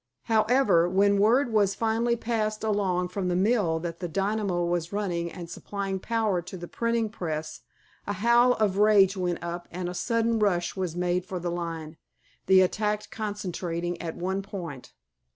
However, when word was finally passed along from the mill that the dynamo was running and supplying power to the printing press, a howl of rage went up and a sudden rush was made for the line, the attack concentrating at one point.